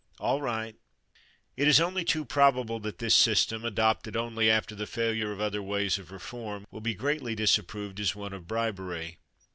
"All right." It is only too probable that this system (adopted only after the failure of other ways of reform) will be greatly disapproved as one of bribery.